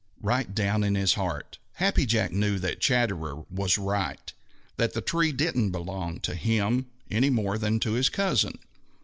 Right down in his heart Happy Jack knew that Chatterer was right, that the tree didn't belong to him any more than to his cousin.